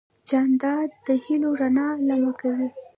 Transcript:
جانداد د هېلو رڼا لمع کوي.